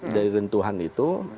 dari rentuhan itu